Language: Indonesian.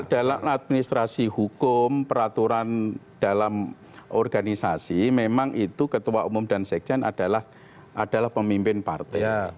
dalam administrasi hukum peraturan dalam organisasi memang itu ketua umum dan sekjen adalah pemimpin partai